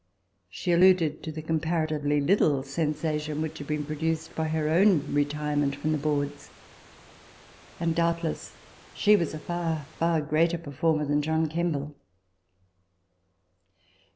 She alluded to the comparatively little sensation which had been produced by her own retirement from the boards : and doubtless she was a far, far greater performer than John Kemble.